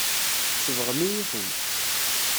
Tsebɣem-iyi-ten.